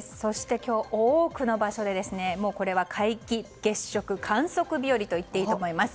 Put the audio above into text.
そして、今日、多くの場所でこれは皆既月食観測日和と言っていいと思います。